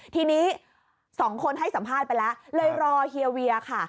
ทีนี้๒คนให้สัมภาษณ์ไปแล้วเลยรอเฮียเวียค่ะ